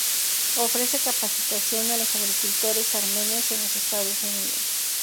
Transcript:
Ofrece capacitación a los agricultores armenios en los Estados Unidos.